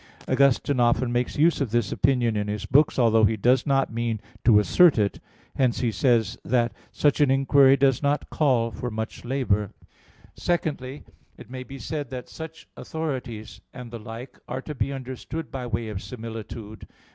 Augustine often makes use of this opinion in his books, although he does not mean to assert it; hence he says (De Civ. Dei xxi) that "such an inquiry does not call for much labor." Secondly, it may be said that such authorities and the like are to be understood by way of similitude.